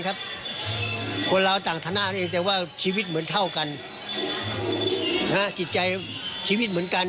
สุดท้ายก็มาบอร์แมนเช่นทุกคน